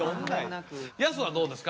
ヤスはどうですか？